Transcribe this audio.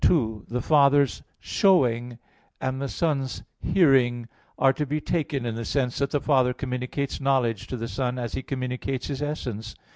2: The Father's "showing" and the Son's "hearing" are to be taken in the sense that the Father communicates knowledge to the Son, as He communicates His essence.